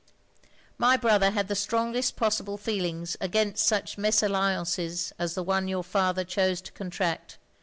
" My brother had the strongest possible feelings against such misalliances as the one your father chose to contract.